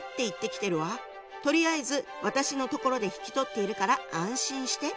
とりあえず私のところで引き取っているから安心して」。